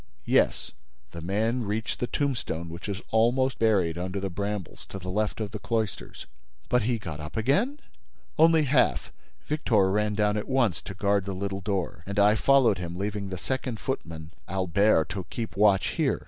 "Yes. The man reached the tombstone which is almost buried under the brambles, to the left of the cloisters." "But he got up again?" "Only half. Victor ran down at once to guard the little door and I followed him, leaving the second footman, Albert, to keep watch here."